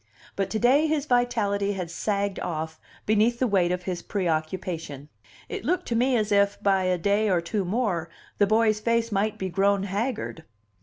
But to day his vitality had sagged off beneath the weight of his preoccupation: it looked to me as if, by a day or two more, the boy's face might be grown haggard.